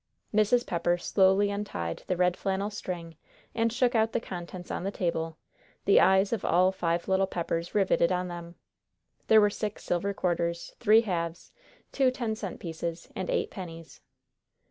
Mrs. Pepper slowly untied the red flannel string and shook out the contents on the table, the eyes of all five little Peppers riveted on them. There were six silver quarters, three halves, two ten cent pieces, and eight pennies.